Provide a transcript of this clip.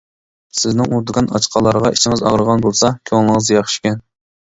سىزنىڭ ئۇ دۇكان ئاچقانلارغا ئىچىڭىز ئاغرىغان بولسا، كۆڭلىڭىز ياخشىكەن.